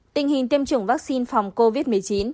tình hình tiêm chủng vắc xin phòng covid một mươi chín